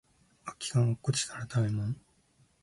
空き缶落っこちたらタイマン